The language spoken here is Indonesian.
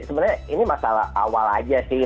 sebenarnya ini masalah awal aja sih